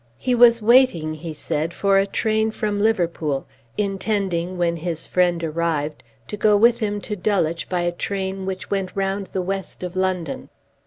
He was waiting, he said, for a train from Liverpool, intending, when his friend arrived, to go with him to Dulwich by a train which went round the west of London.